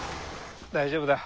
大丈夫だ。